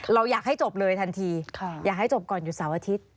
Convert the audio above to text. เราอยากให้จบเลยทันทีอยากให้จบก่อนหยุดเสาร์อาทิตย์